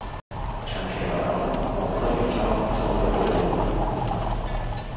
長期來講，我覺得原裝就會好用